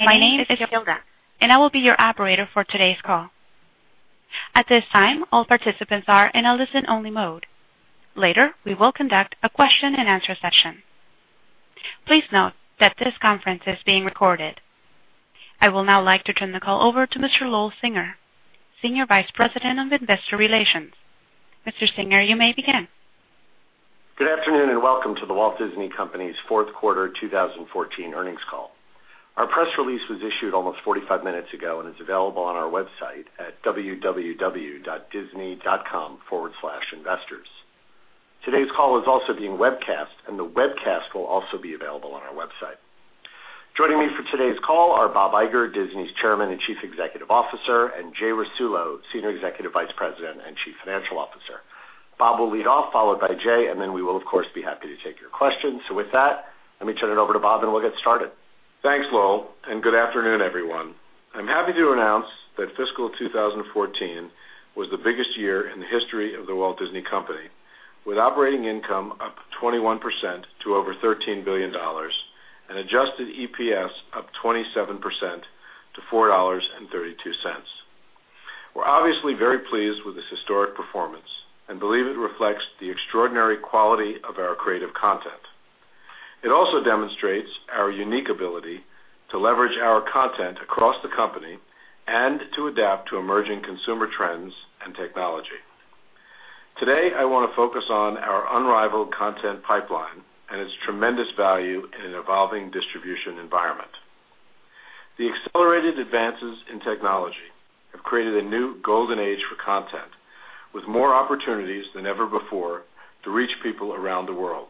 My name is Matilda, and I will be your operator for today's call. At this time, all participants are in a listen-only mode. Later, we will conduct a question and answer session. Please note that this conference is being recorded. I will now like to turn the call over to Mr. Lowell Singer, Senior Vice President of Investor Relations. Mr. Singer, you may begin. Good afternoon and welcome to The Walt Disney Company's fourth quarter 2014 earnings call. Our press release was issued almost 45 minutes ago and is available on our website at www.disney.com/investors. Today's call is also being webcast, and the webcast will also be available on our website. Joining me for today's call are Bob Iger, Disney's Chairman and Chief Executive Officer, and Jay Rasulo, Senior Executive Vice President and Chief Financial Officer. Bob will lead off, followed by Jay. We will, of course, be happy to take your questions. With that, let me turn it over to Bob, and we'll get started. Thanks, Lowell. Good afternoon, everyone. I'm happy to announce that fiscal 2014 was the biggest year in the history of The Walt Disney Company, with operating income up 21% to over $13 billion and adjusted EPS up 27% to $4.32. We're obviously very pleased with this historic performance and believe it reflects the extraordinary quality of our creative content. It also demonstrates our unique ability to leverage our content across the company and to adapt to emerging consumer trends and technology. Today, I want to focus on our unrivaled content pipeline and its tremendous value in an evolving distribution environment. The accelerated advances in technology have created a new golden age for content, with more opportunities than ever before to reach people around the world.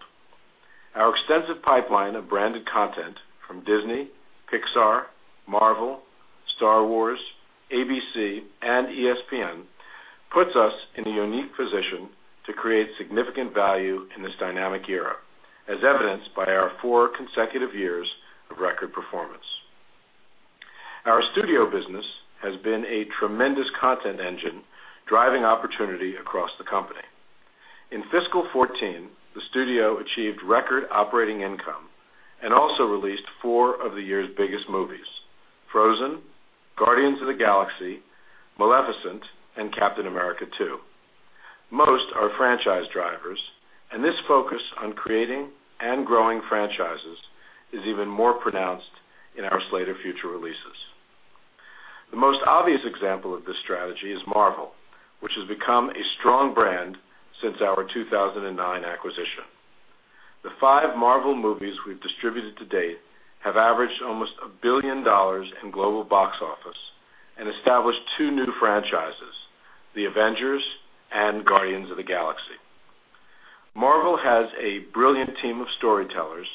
Our extensive pipeline of branded content from Disney, Pixar, Marvel, Star Wars, ABC, and ESPN puts us in a unique position to create significant value in this dynamic era, as evidenced by our four consecutive years of record performance. Our studio business has been a tremendous content engine, driving opportunity across the company. In fiscal 2014, the studio achieved record operating income and also released four of the year's biggest movies: Frozen, Guardians of the Galaxy, Maleficent, and Captain America 2. Most are franchise drivers. This focus on creating and growing franchises is even more pronounced in our slate of future releases. The most obvious example of this strategy is Marvel, which has become a strong brand since our 2009 acquisition. The five Marvel movies we've distributed to date have averaged almost $1 billion in global box office and established two new franchises, The Avengers and Guardians of the Galaxy. Marvel has a brilliant team of storytellers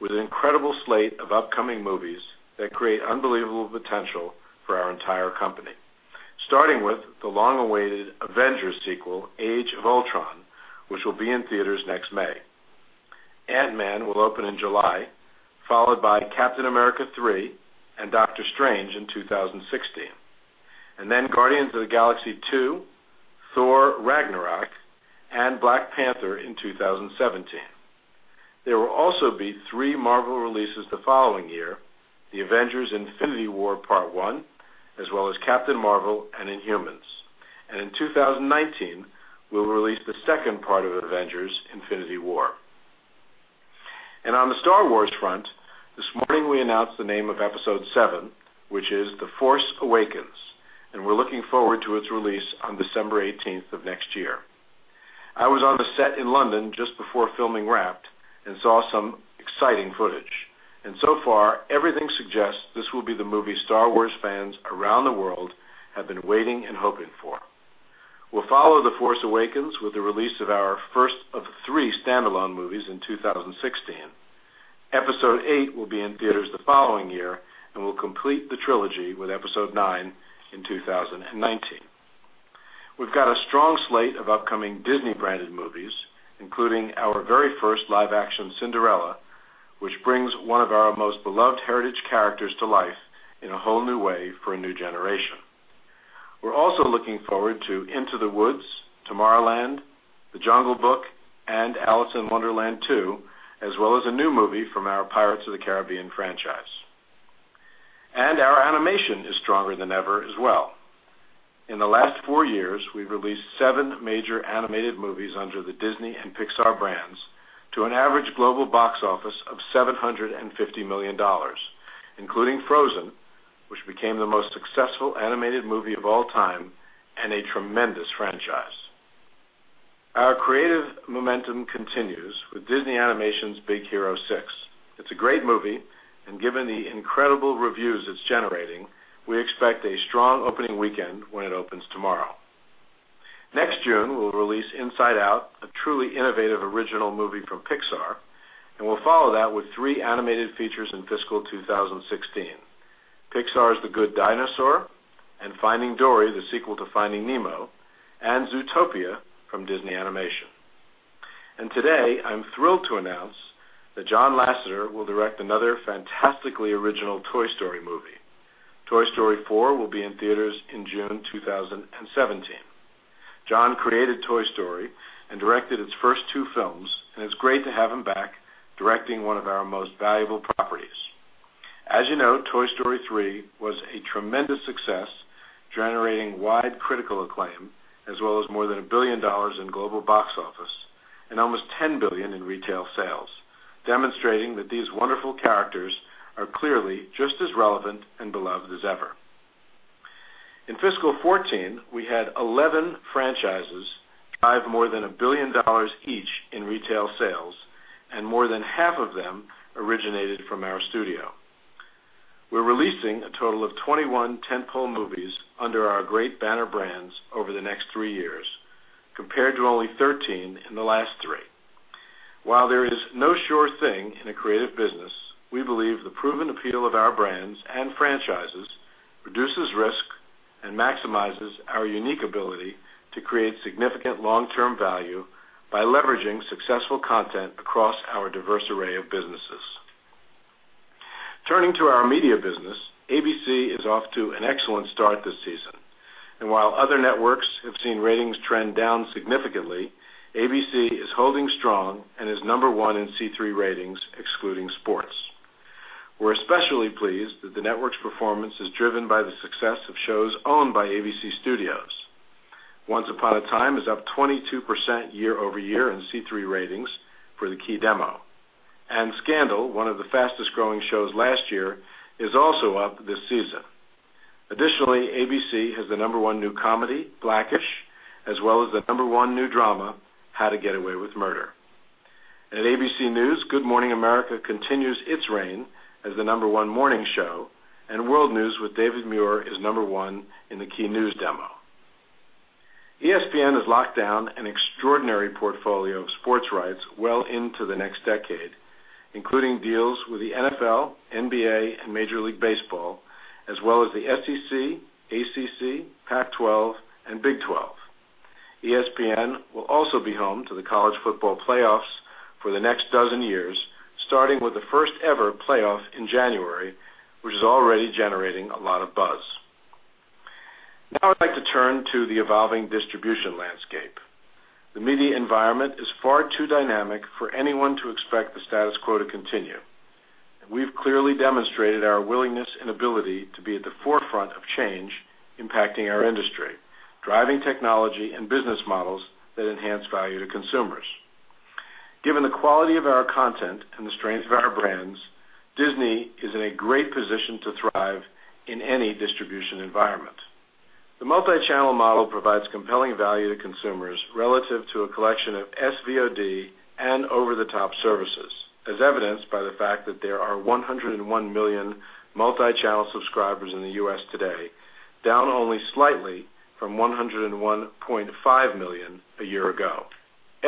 with an incredible slate of upcoming movies that create unbelievable potential for our entire company, starting with the long-awaited Avengers sequel, Age of Ultron, which will be in theaters next May. Ant-Man will open in July, followed by Captain America 3 and Doctor Strange in 2016, then Guardians of the Galaxy 2, Thor: Ragnarok, and Black Panther in 2017. There will also be three Marvel releases the following year, The Avengers: Infinity War Part 1, as well as Captain Marvel and Inhumans. In 2019, we'll release the second part of Avengers: Infinity War. On the Star Wars front, this morning we announced the name of Episode VII, which is The Force Awakens, and we're looking forward to its release on December 18th of next year. I was on the set in London just before filming wrapped and saw some exciting footage. So far, everything suggests this will be the movie Star Wars fans around the world have been waiting and hoping for. We'll follow The Force Awakens with the release of our first of three standalone movies in 2016. Episode VIII will be in theaters the following year, and we'll complete the trilogy with Episode IX in 2019. We've got a strong slate of upcoming Disney-branded movies, including our very first live-action Cinderella, which brings one of our most beloved heritage characters to life in a whole new way for a new generation. We're also looking forward to Into the Woods, Tomorrowland, The Jungle Book, and Alice in Wonderland 2, as well as a new movie from our Pirates of the Caribbean franchise. Our animation is stronger than ever as well. In the last four years, we've released seven major animated movies under the Disney and Pixar brands to an average global box office of $750 million, including Frozen, which became the most successful animated movie of all time and a tremendous franchise. Our creative momentum continues with Disney Animation's Big Hero 6. It's a great movie, and given the incredible reviews it's generating, we expect a strong opening weekend when it opens tomorrow. Next June, we'll release Inside Out, a truly innovative original movie from Pixar, and we'll follow that with three animated features in fiscal 2016. Pixar's The Good Dinosaur and Finding Dory, the sequel to Finding Nemo, and Zootopia from Disney Animation. Today, I'm thrilled to announce that John Lasseter will direct another fantastically original Toy Story movie. Toy Story 4 will be in theaters in June 2017. John created Toy Story and directed its first two films, and it's great to have him back directing one of our most valuable properties. As you know, Toy Story 3 was a tremendous success, generating wide critical acclaim, as well as more than $1 billion in global box office and almost $10 billion in retail sales, demonstrating that these wonderful characters are clearly just as relevant and beloved as ever. In fiscal 2014, we had 11 franchises, five more than $1 billion each in retail sales, and more than half of them originated from our studio. We're releasing a total of 21 tent-pole movies under our great banner brands over the next three years, compared to only 13 in the last three. While there is no sure thing in a creative business, we believe the proven appeal of our brands and franchises reduces risk and maximizes our unique ability to create significant long-term value by leveraging successful content across our diverse array of businesses. Turning to our media business, ABC is off to an excellent start this season. While other networks have seen ratings trend down significantly, ABC is holding strong and is number one in C3 ratings excluding sports. We're especially pleased that the network's performance is driven by the success of shows owned by ABC Studios. Once Upon a Time is up 22% year-over-year in C3 ratings for the key demo. Scandal, one of the fastest-growing shows last year, is also up this season. Additionally, ABC has the number one new comedy, black-ish, as well as the number one new drama, How to Get Away with Murder. At ABC News, Good Morning America continues its reign as the number one morning show, and World News with David Muir is number one in the key news demo. ESPN has locked down an extraordinary portfolio of sports rights well into the next decade, including deals with the NFL, NBA, and Major League Baseball, as well as the SEC, ACC, Pac-12, and Big 12. ESPN will also be home to the college football playoffs for the next dozen years, starting with the first-ever playoff in January, which is already generating a lot of buzz. I'd like to turn to the evolving distribution landscape. The media environment is far too dynamic for anyone to expect the status quo to continue. We've clearly demonstrated our willingness and ability to be at the forefront of change impacting our industry, driving technology and business models that enhance value to consumers. Given the quality of our content and the strength of our brands, Disney is in a great position to thrive in any distribution environment. The multi-channel model provides compelling value to consumers relative to a collection of SVOD and over-the-top services, as evidenced by the fact that there are 101 million multi-channel subscribers in the U.S. today, down only slightly from 101.5 million a year ago.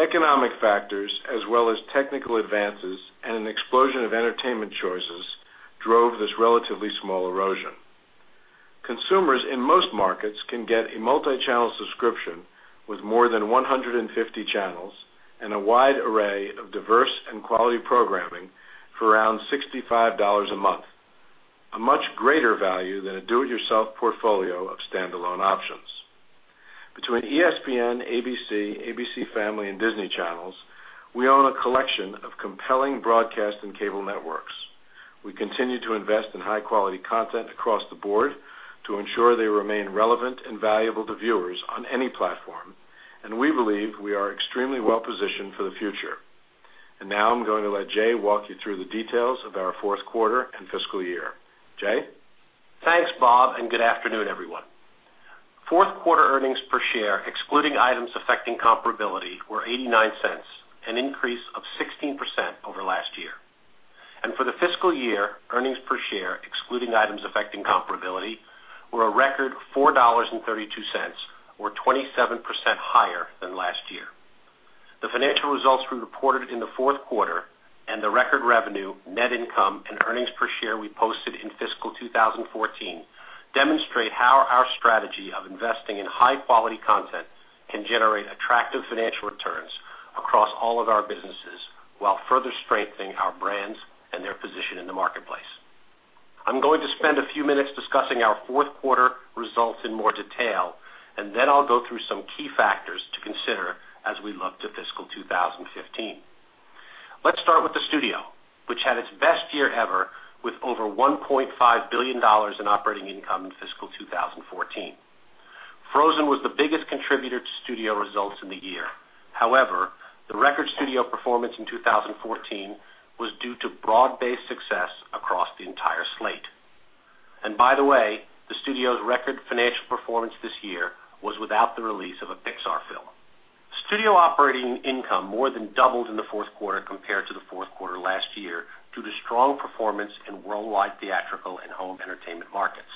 Economic factors, as well as technical advances and an explosion of entertainment choices, drove this relatively small erosion. Consumers in most markets can get a multi-channel subscription with more than 150 channels and a wide array of diverse and quality programming for around $65 a month. A much greater value than a do-it-yourself portfolio of stand-alone options. Between ESPN, ABC Family, and Disney channels, we own a collection of compelling broadcast and cable networks. We continue to invest in high-quality content across the board to ensure they remain relevant and valuable to viewers on any platform. We believe we are extremely well-positioned for the future. Now I'm going to let Jay walk you through the details of our fourth quarter and fiscal year. Jay? Thanks, Bob, good afternoon, everyone. Fourth quarter earnings per share, excluding items affecting comparability, were $0.89, an increase of 16% over last year. For the fiscal year, earnings per share, excluding items affecting comparability, were a record $4.32, or 27% higher than last year. The financial results we reported in the fourth quarter and the record revenue, net income, and earnings per share we posted in fiscal 2014 demonstrate how our strategy of investing in high-quality content can generate attractive financial returns across all of our businesses while further strengthening our brands and their position in the marketplace. I'm going to spend a few minutes discussing our fourth quarter results in more detail, then I'll go through some key factors to consider as we look to fiscal 2015. Let's start with the Studio, which had its best year ever with over $1.5 billion in operating income in fiscal 2014. Frozen was the biggest contributor to Studio results in the year. However, the record Studio performance in 2014 was due to broad-based success across the entire slate. By the way, the Studio's record financial performance this year was without the release of a Pixar film. Studio operating income more than doubled in the fourth quarter compared to the fourth quarter last year due to strong performance in worldwide theatrical and home entertainment markets.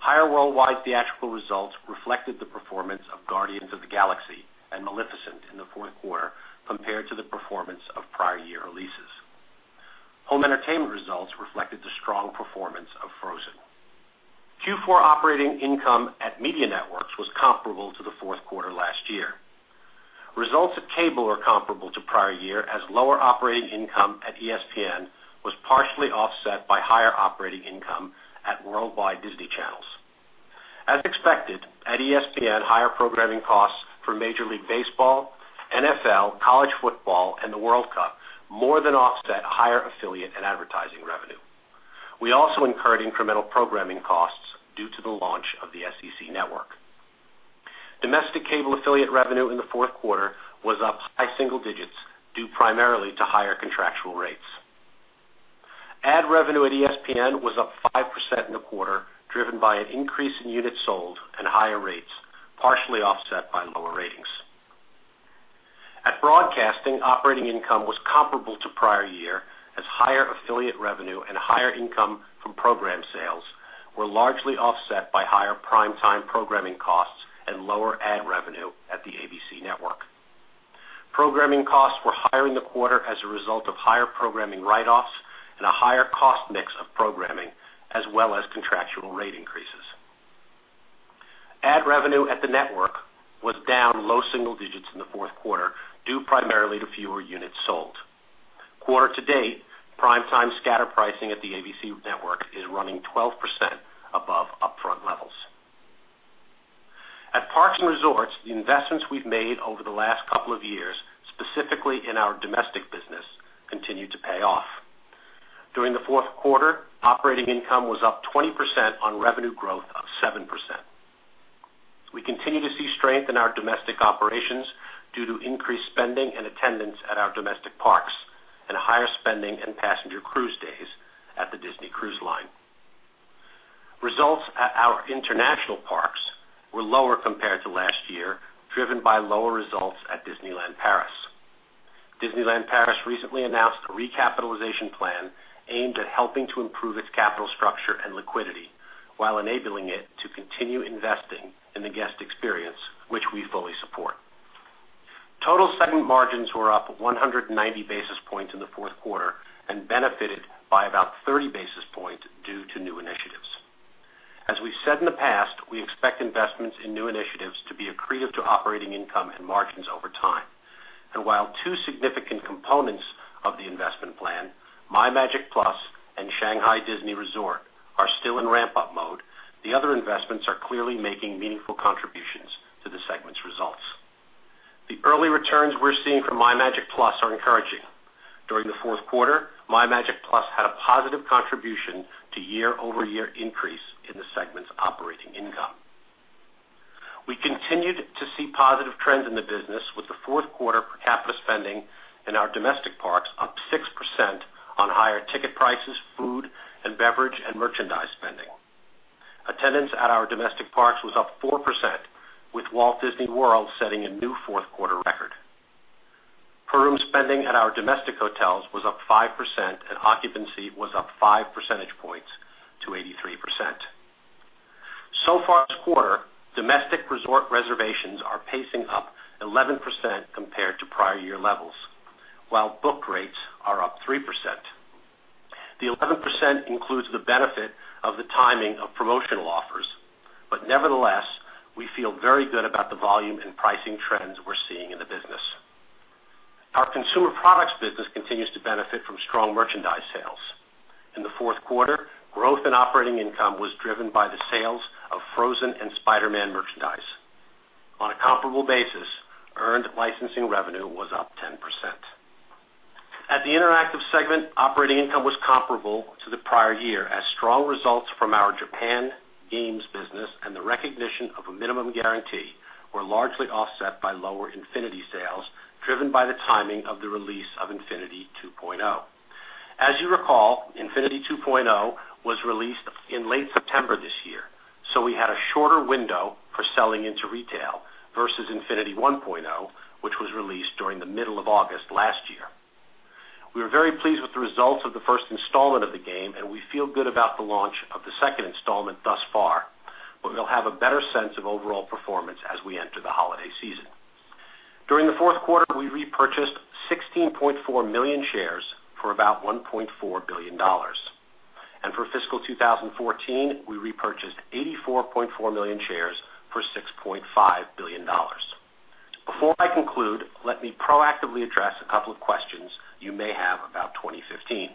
Higher worldwide theatrical results reflected the performance of Guardians of the Galaxy and Maleficent in the fourth quarter compared to the performance of prior year releases. Home entertainment results reflected the strong performance of Frozen. Q4 operating income at Media Networks was comparable to the fourth quarter last year. Results at Cable are comparable to prior year, as lower operating income at ESPN was partially offset by higher operating income at Disney Channels Worldwide. As expected, at ESPN, higher programming costs for Major League Baseball, NFL, college football, and the World Cup more than offset higher affiliate and advertising revenue. We also incurred incremental programming costs due to the launch of the SEC Network. Domestic cable affiliate revenue in the fourth quarter was up high single digits, due primarily to higher contractual rates. Ad revenue at ESPN was up 5% in the quarter, driven by an increase in units sold and higher rates, partially offset by lower ratings. At Broadcasting, operating income was comparable to prior year as higher affiliate revenue and higher income from program sales were largely offset by higher prime time programming costs and lower ad revenue at the ABC Network. Programming costs were higher in the quarter as a result of higher programming write-offs and a higher cost mix of programming, as well as contractual rate increases. Ad revenue at the network was down low single digits in the fourth quarter, due primarily to fewer units sold. Quarter to date, prime time scatter pricing at the ABC Network is running 12% above upfront levels. At Parks and Resorts, the investments we've made over the last couple of years, specifically in our domestic business, continue to pay off. During the fourth quarter, operating income was up 20% on revenue growth of 7%. We continue to see strength in our domestic operations due to increased spending and attendance at our domestic parks and higher spending and passenger cruise days at the Disney Cruise Line. Results at our international parks were lower compared to last year, driven by lower results at Disneyland Paris. Disneyland Paris recently announced a recapitalization plan aimed at helping to improve its capital structure and liquidity while enabling it to continue investing in the guest experience, which we fully support. Total segment margins were up 190 basis points in the fourth quarter and benefited by about 30 basis points due to new initiatives. As we've said in the past, we expect investments in new initiatives to be accretive to operating income and margins over time. While two significant components of the investment plan, MyMagic+ and Shanghai Disney Resort, are still in ramp-up mode, the other investments are clearly making meaningful contributions to the segment's results. The early returns we're seeing from MyMagic+ are encouraging. During the fourth quarter, MyMagic+ had a positive contribution to year-over-year increase in the segment's operating income. We continued to see positive trends in the business with the fourth quarter per capita spending in our domestic parks up 6% on higher ticket prices, food and beverage, and merchandise spending. Attendance at our domestic parks was up 4%, with Walt Disney World setting a new fourth-quarter record. Per-room spending at our domestic hotels was up 5%, and occupancy was up five percentage points to 83%. Far this quarter, domestic resort reservations are pacing up 11% compared to prior year levels, while book rates are up 3%. The 11% includes the benefit of the timing of promotional offers. Nevertheless, we feel very good about the volume and pricing trends we're seeing in the business. Our Consumer Products business continues to benefit from strong merchandise sales. In the fourth quarter, growth and operating income was driven by the sales of Frozen and Spider-Man merchandise. On a comparable basis, earned licensing revenue was up 10%. At the Interactive segment, operating income was comparable to the prior year as strong results from our Japan games business and the recognition of a minimum guarantee were largely offset by lower Infinity sales, driven by the timing of the release of Infinity 2.0. As you recall, Infinity 2.0 was released in late September this year, we had a shorter window for selling into retail versus Infinity 1.0, which was released during the middle of August last year. We are very pleased with the results of the first installment of the game, and we feel good about the launch of the second installment thus far, but we'll have a better sense of overall performance as we enter the holiday season. During the fourth quarter, we repurchased 16.4 million shares for about $1.4 billion. For fiscal 2014, we repurchased 84.4 million shares for $6.5 billion. Before I conclude, let me proactively address a couple of questions you may have about 2015.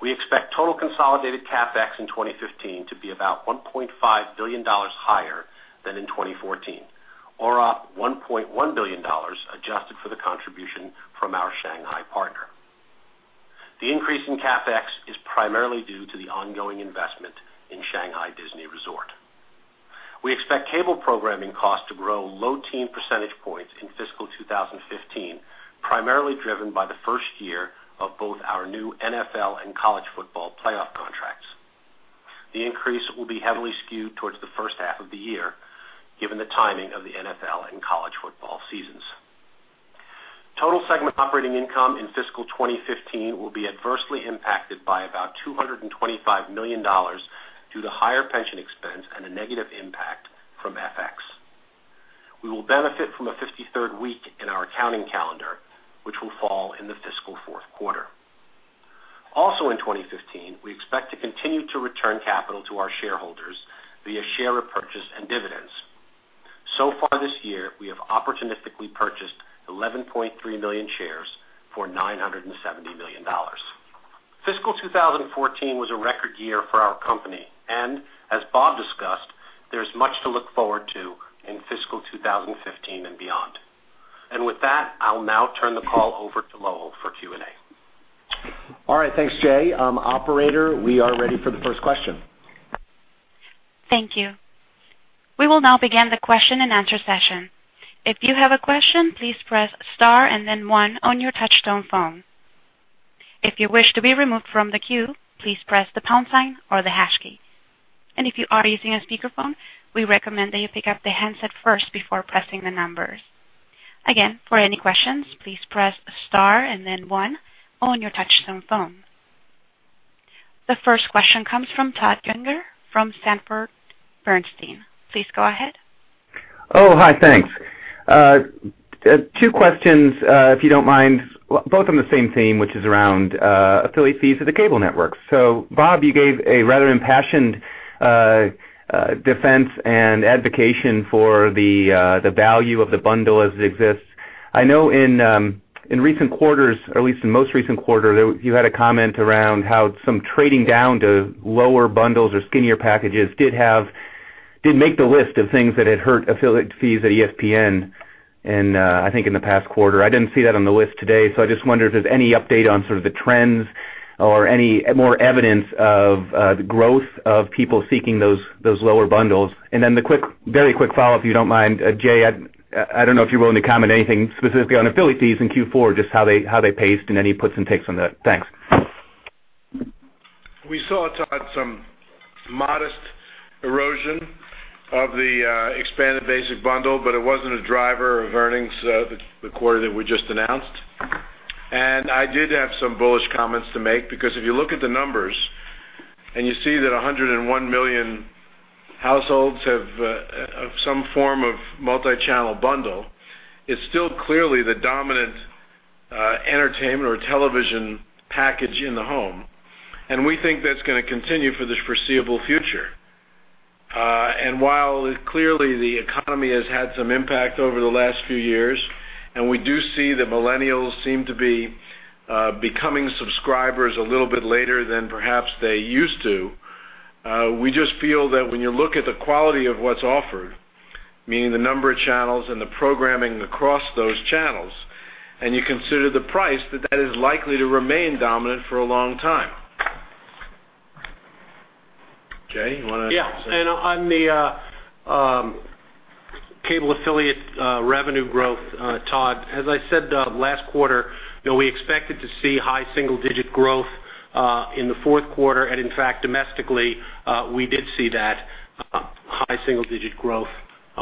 We expect total consolidated CapEx in 2015 to be about $1.5 billion higher than in 2014, or up $1.1 billion adjusted for the contribution from our Shanghai partner. The increase in CapEx is primarily due to the ongoing investment in Shanghai Disney Resort. We expect cable programming costs to grow low teen percentage points in fiscal 2015, primarily driven by the first year of both our new NFL and college football playoff contracts. The increase will be heavily skewed towards the first half of the year, given the timing of the NFL and college football seasons. Total segment operating income in fiscal 2015 will be adversely impacted by about $225 million due to higher pension expense and a negative impact from FX. We will benefit from a 53rd week in our accounting calendar, which will fall in the fiscal fourth quarter. In 2015, we expect to continue to return capital to our shareholders via share repurchase and dividends. So far this year, we have opportunistically purchased 11.3 million shares for $970 million. Fiscal 2014 was a record year for our company, as Bob discussed, there's much to look forward to in fiscal 2015 and beyond. With that, I'll now turn the call over to Lowell for Q&A. All right. Thanks, Jay. Operator, we are ready for the first question. Thank you. We will now begin the question and answer session. If you have a question, please press star and then one on your touchtone phone. If you wish to be removed from the queue, please press the pound sign or the hash key. If you are using a speakerphone, we recommend that you pick up the handset first before pressing the numbers. Again, for any questions, please press star and then one on your touchtone phone. The first question comes from Todd Juenger from Sanford Bernstein. Please go ahead. Hi, thanks. Two questions, if you don't mind, both on the same theme, which is around affiliate fees for the cable networks. Bob, you gave a rather impassioned defense and advocation for the value of the bundle as it exists. I know in recent quarters, or at least in most recent quarter, you had a comment around how some trading down to lower bundles or skinnier packages did make the list of things that had hurt affiliate fees at ESPN in, I think, in the past quarter. I didn't see that on the list today. I just wonder if there's any update on sort of the trends or any more evidence of the growth of people seeking those lower bundles. The very quick follow-up, if you don't mind, Jay, I don't know if you're willing to comment anything specifically on affiliate fees in Q4, just how they paced, and any puts and takes on that. Thanks. We saw, Todd, some modest erosion of the expanded basic bundle, but it wasn't a driver of earnings the quarter that we just announced. I did have some bullish comments to make, because if you look at the numbers and you see that 101 million households have some form of multi-channel bundle, it's still clearly the dominant entertainment or television package in the home, and we think that's going to continue for the foreseeable future. While clearly the economy has had some impact over the last few years, and we do see that millennials seem to be becoming subscribers a little bit later than perhaps they used to, we just feel that when you look at the quality of what's offered, meaning the number of channels and the programming across those channels, and you consider the price, that that is likely to remain dominant for a long time. Jay, you want to. Yeah. On the cable affiliate revenue growth, Todd, as I said last quarter, we expected to see high single-digit growth in the fourth quarter and in fact, domestically, we did see that high single-digit growth,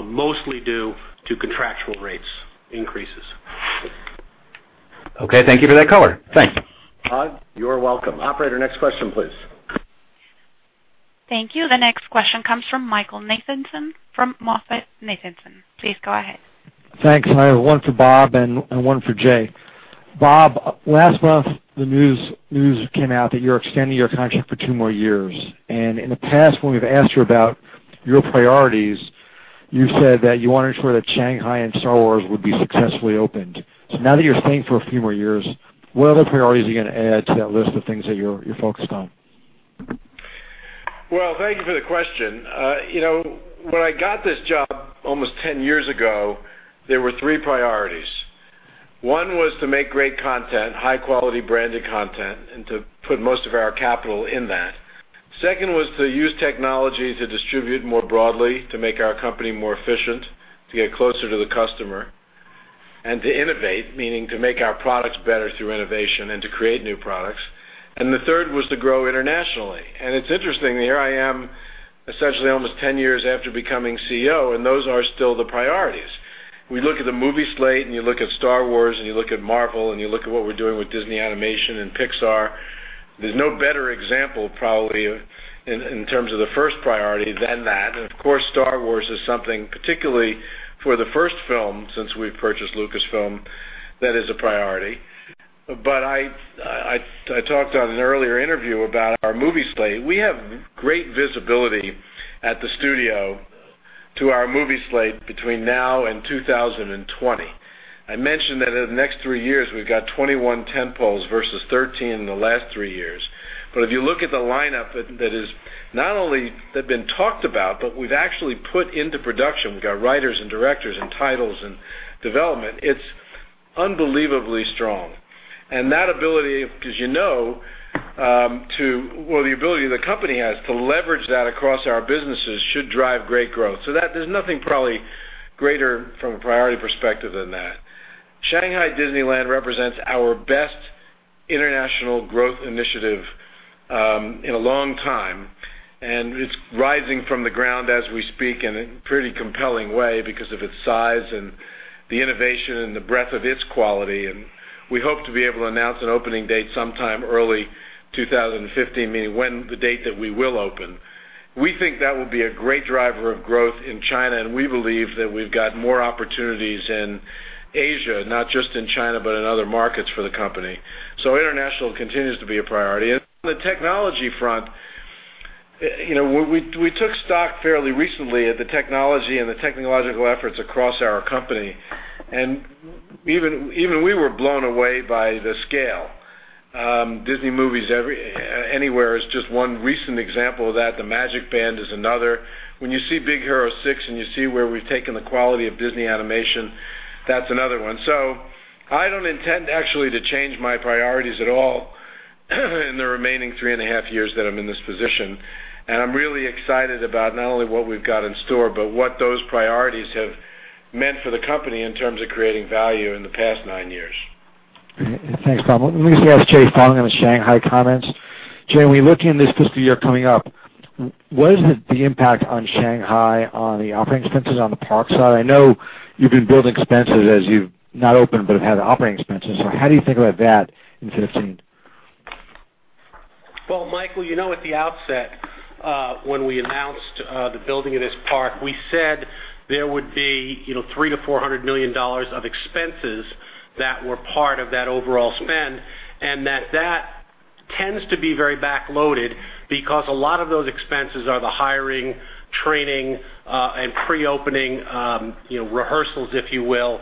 mostly due to contractual rates increases. Okay. Thank you for that color. Thanks. Todd, you're welcome. Operator, next question, please. Thank you. The next question comes from Michael Nathanson from MoffettNathanson. Please go ahead. Thanks. I have one for Bob and one for Jay. Bob, last month, the news came out that you're extending your contract for two more years. In the past, when we've asked you about your priorities, you said that you want to ensure that Shanghai and Star Wars would be successfully opened. Now that you're staying for a few more years, what other priorities are you going to add to that list of things that you're focused on? Well, thank you for the question. When I got this job almost 10 years ago, there were three priorities. One was to make great content, high-quality branded content, and to put most of our capital in that. Second was to use technology to distribute more broadly, to make our company more efficient, to get closer to the customer, and to innovate, meaning to make our products better through innovation and to create new products. The third was to grow internationally. It's interesting that here I am, essentially almost 10 years after becoming CEO, and those are still the priorities. We look at the movie slate and you look at Star Wars and you look at Marvel and you look at what we're doing with Disney Animation and Pixar. There's no better example, probably, in terms of the first priority than that. Of course, Star Wars is something, particularly for the first film since we've purchased Lucasfilm, that is a priority. I talked on an earlier interview about our movie slate. We have great visibility at the studio to our movie slate between now and 2020. I mentioned that in the next three years, we've got 21 tentpoles versus 13 in the last three years. If you look at the lineup that is not only that been talked about, but we've actually put into production, we've got writers and directors and titles and development, it's unbelievably strong. That ability, because, you know, well, the ability the company has to leverage that across our businesses should drive great growth. There's nothing probably greater from a priority perspective than that. Shanghai Disneyland represents our best international growth initiative in a long time. It's rising from the ground as we speak in a pretty compelling way because of its size and the innovation and the breadth of its quality. We hope to be able to announce an opening date sometime early 2015, meaning when the date that we will open. We think that will be a great driver of growth in China. We believe that we've got more opportunities in Asia, not just in China, but in other markets for the company. International continues to be a priority. On the technology front, we took stock fairly recently at the technology and the technological efforts across our company, and even we were blown away by the scale. Disney Movies Anywhere is just one recent example of that. The MagicBand is another. When you see Big Hero 6 and you see where we've taken the quality of Disney Animation, that's another one. I don't intend actually to change my priorities at all in the remaining three and a half years that I'm in this position. I'm really excited about not only what we've got in store, but what those priorities have meant for the company in terms of creating value in the past nine years. Okay. Thanks, Bob. Let me ask Jay Rasulo on the Shanghai comments. Jay, when you look in this fiscal year coming up, what is the impact on Shanghai on the operating expenses on the park side? I know you've been building expenses as you've not opened but have had operating expenses. How do you think about that in 2015? Well, Michael, at the outset, when we announced the building of this park, we said there would be $300 million-$400 million of expenses that were part of that overall spend, and that tends to be very back-loaded because a lot of those expenses are the hiring, training, and pre-opening rehearsals, if you will,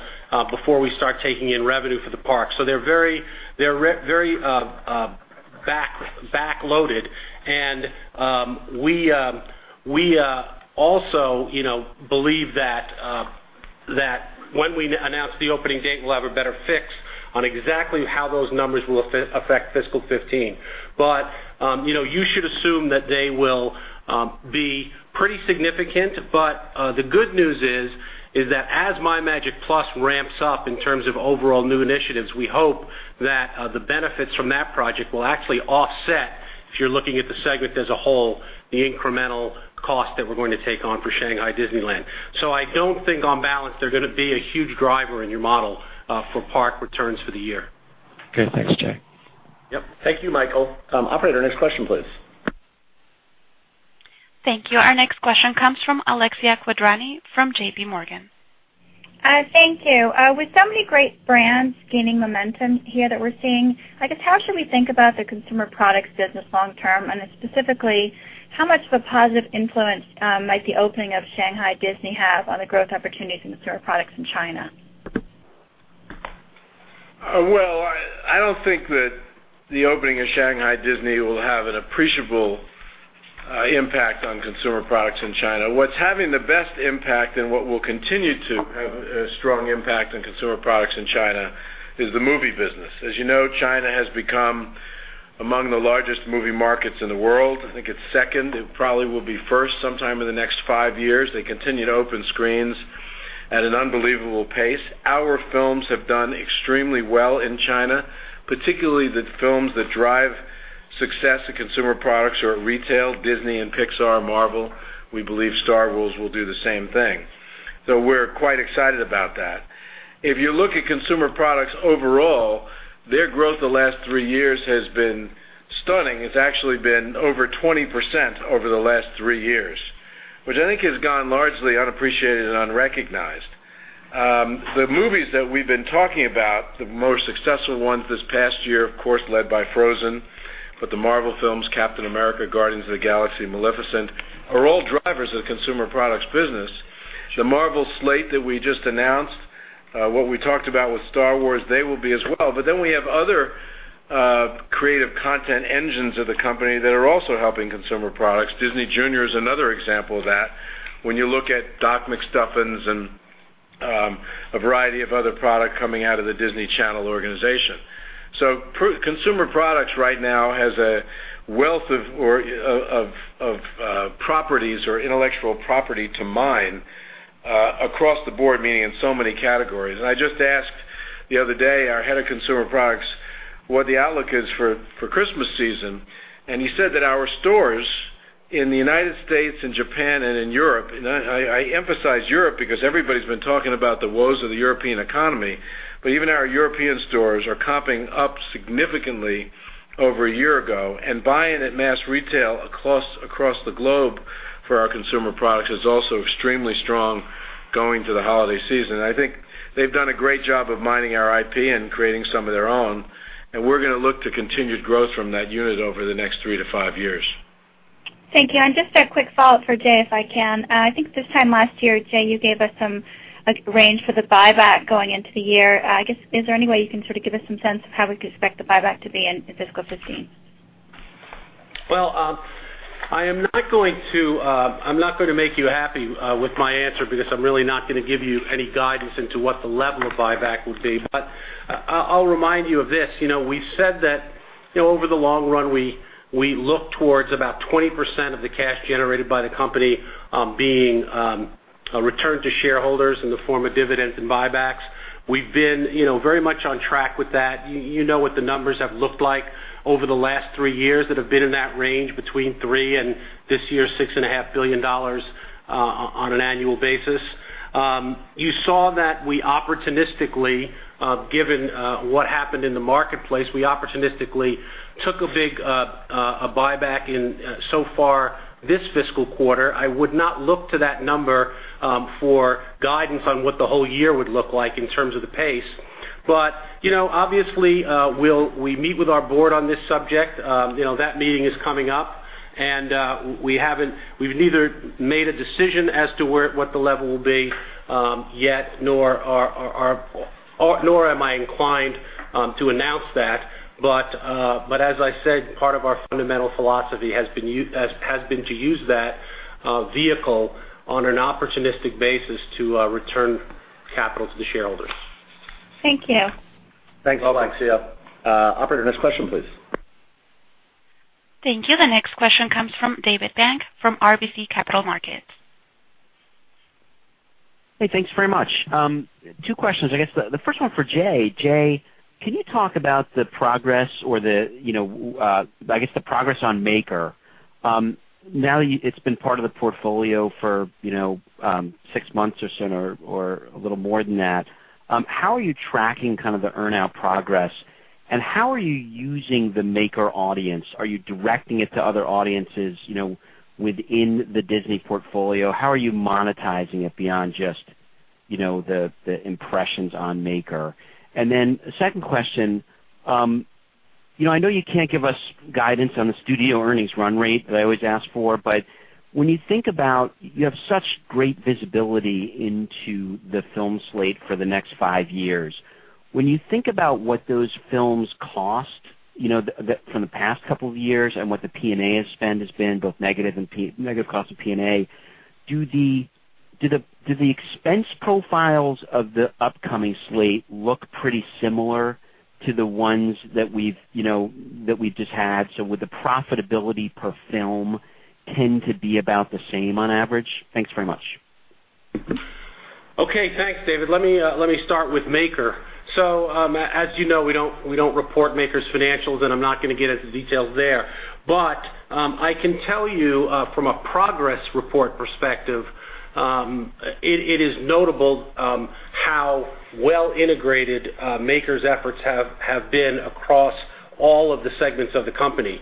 before we start taking in revenue for the park. They're very back-loaded. We also believe that when we announce the opening date, we'll have a better fix on exactly how those numbers will affect fiscal 2015. You should assume that they will be pretty significant. The good news is that as MyMagic+ ramps up in terms of overall new initiatives, we hope that the benefits from that project will actually offset, if you're looking at the segment as a whole, the incremental cost that we're going to take on for Shanghai Disneyland. I don't think on balance they're going to be a huge driver in your model for park returns for the year. Okay. Thanks, Jay. Yep. Thank you, Michael. Operator, next question, please. Thank you. Our next question comes from Alexia Quadrani from J.P. Morgan. Thank you. With so many great brands gaining momentum here that we're seeing, I guess how should we think about the consumer products business long term? Specifically, how much of a positive influence might the opening of Shanghai Disney have on the growth opportunities in consumer products in China? Well, I don't think that the opening of Shanghai Disney will have an appreciable impact on consumer products in China. What's having the best impact and what will continue to have a strong impact on consumer products in China is the movie business. As you know, China has become among the largest movie markets in the world. I think it's second. It probably will be first sometime in the next five years. They continue to open screens at an unbelievable pace. Our films have done extremely well in China, particularly the films that drive success in consumer products or at retail, Disney and Pixar, Marvel. We believe Star Wars will do the same thing. We're quite excited about that. If you look at consumer products overall, their growth the last three years has been stunning. It's actually been over 20% over the last three years, which I think has gone largely unappreciated and unrecognized. The movies that we've been talking about, the most successful ones this past year, of course, led by "Frozen," the Marvel films, "Captain America," "Guardians of the Galaxy," "Maleficent," are all drivers of the consumer products business. The Marvel slate that we just announced, what we talked about with Star Wars, they will be as well. We have other creative content engines of the company that are also helping consumer products. Disney Junior is another example of that. When you look at Doc McStuffins and a variety of other product coming out of the Disney Channel organization. Consumer products right now has a wealth of properties or intellectual property to mine across the board, meaning in so many categories. I just asked the other day, our head of consumer products, what the outlook is for Christmas season, and he said that our stores in the U.S. and Japan and in Europe, I emphasize Europe because everybody's been talking about the woes of the European economy, even our European stores are comping up significantly over a year ago. Buying at mass retail across the globe for our consumer products is also extremely strong going to the holiday season. I think they've done a great job of mining our IP and creating some of their own, we're going to look to continued growth from that unit over the next three to five years. Thank you. Just a quick follow-up for Jay, if I can. I think this time last year, Jay, you gave us some range for the buyback going into the year. I guess, is there any way you can sort of give us some sense of how we could expect the buyback to be in fiscal 2015? I'm not going to make you happy with my answer because I'm really not going to give you any guidance into what the level of buyback would be. I'll remind you of this. We've said that over the long run, we look towards about 20% of the cash generated by the company being returned to shareholders in the form of dividends and buybacks. We've been very much on track with that. You know what the numbers have looked like over the last three years that have been in that range between three and this year, $6.5 billion on an annual basis. You saw that we opportunistically, given what happened in the marketplace, we opportunistically took a big buyback in so far this fiscal quarter. I would not look to that number for guidance on what the whole year would look like in terms of the pace. Obviously, we meet with our board on this subject. That meeting is coming up, we've neither made a decision as to what the level will be yet, nor am I inclined to announce that. As I said, part of our fundamental philosophy has been to use that vehicle on an opportunistic basis to return capital to the shareholders. Thank you. Thanks. All right. See you. Operator, next question, please. Thank you. The next question comes from David Bank from RBC Capital Markets. Hey, thanks very much. Two questions. I guess the first one for Jay. Jay, can you talk about the progress on Maker? Now it's been part of the portfolio for six months or so, or a little more than that. How are you tracking the earn-out progress, and how are you using the Maker audience? Are you directing it to other audiences within the Disney portfolio? How are you monetizing it beyond just the impressions on Maker? Second question, I know you can't give us guidance on the studio earnings run rate that I always ask for, but you have such great visibility into the film slate for the next five years. When you think about what those films cost from the past couple of years and what the P&A spend has been, both negative cost of P&A, do the expense profiles of the upcoming slate look pretty similar to the ones that we've just had? Would the profitability per film tend to be about the same on average? Thanks very much. Okay. Thanks, David. Let me start with Maker. As you know, we don't report Maker's financials, I'm not going to get into details there. I can tell you from a progress report perspective, it is notable how well integrated Maker's efforts have been across all of the segments of the company.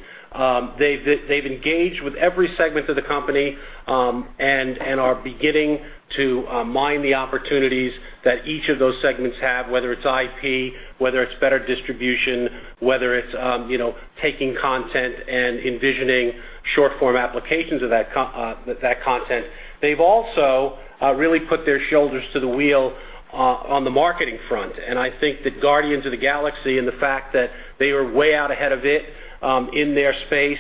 They've engaged with every segment of the company and are beginning to mine the opportunities that each of those segments have, whether it's IP, whether it's better distribution, whether it's taking content and envisioning short-form applications of that content. They've also really put their shoulders to the wheel on the marketing front. I think that Guardians of the Galaxy and the fact that they were way out ahead of it in their space